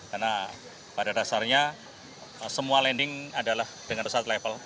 karena pada dasarnya semua landing adalah dengan level